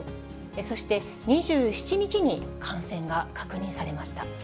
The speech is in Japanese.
そして２７日に感染が確認されました。